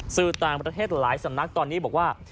สื่อต่างประเทศหลายสำนักตอนนี้บอกว่า